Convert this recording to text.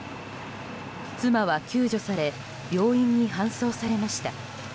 妻は救助され病院に搬送されました。